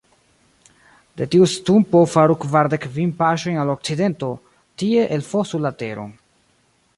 De tiu stumpo faru kvardek kvin paŝojn al okcidento, tie elfosu la teron.